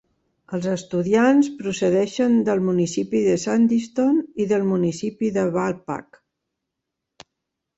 Els estudiants procedeixen del municipi de Sandyston i del municipi de Walpack.